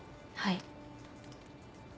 はい。